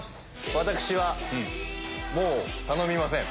私はもう頼みません。